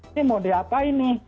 ini mau diapain nih